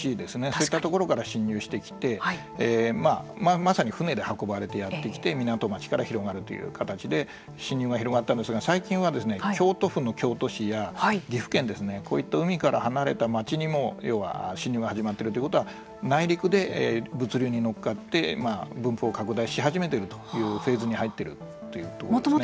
そういったところから侵入してきてまさに船で運ばれてやってきて港町から広がるという形で侵入が広がったんですが最近は、京都府の京都市や岐阜県そういった海から離れた町には侵入が始まっているということは内陸で物流に乗っかって分布を拡大し始めているというフェーズに入っているということですね。